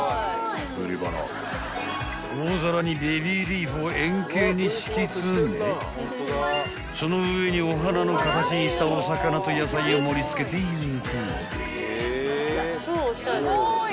［大皿にベビーリーフを円形に敷き詰めその上にお花の形にしたお魚と野菜を盛り付けていく］